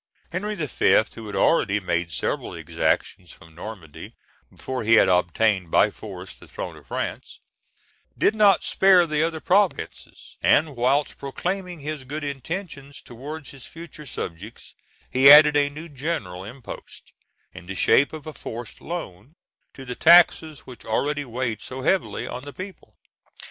Henry V., who had already made several exactions from Normandy before he had obtained by force the throne of France, did not spare the other provinces, and, whilst proclaiming his good intentions towards his future subjects, he added a new general impost, in the shape of a forced loan, to the taxes which already weighed so heavily on the people.